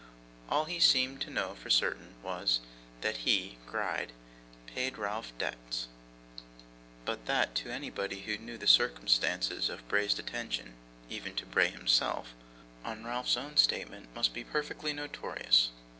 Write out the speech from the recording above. All he seemed to know, for certain, was, that he, Gride, paid Ralph's debt; but that, to anybody who knew the circumstances of Bray's detention even to Bray himself, on Ralph's own statement must be perfectly notorious.